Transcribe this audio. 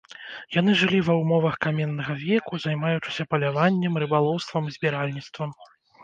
Яны жылі ва ўмовах каменнага веку, займаючыся паляваннем, рыбалоўствам і збіральніцтвам.